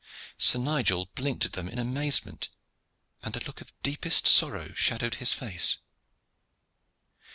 Sir Nigel blinked at them in amazement, and a look of the deepest sorrow shadowed his face.